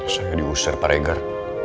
saya diusir pak reger